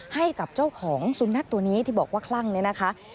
ให้กับเจ้าของสุนัขตัวนี้ที่บอกว่าคลั่งเนี่ยนะคะ